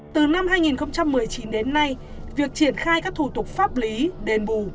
từ năm hai nghìn một mươi chín đến nay việc triển khai các thủ tục pháp lý đền bù